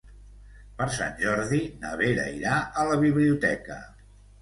Per Sant Jordi na Vera irà a la biblioteca.